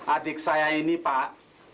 adik saya ini pak